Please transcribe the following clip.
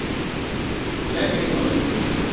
لہہ کے رچھ مارنو شروع کیو